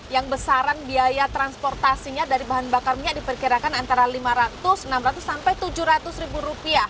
yang besaran biaya transportasinya dari bahan bakar minyak diperkirakan antara rp lima ratus tujuh ratus